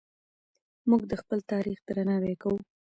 موږ د خپل تاریخ درناوی کوو.